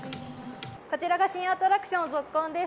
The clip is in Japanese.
こちらが新アトラクション、ゾッコンです。